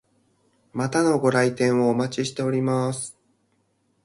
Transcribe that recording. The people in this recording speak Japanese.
またのご来店をお待ちしております。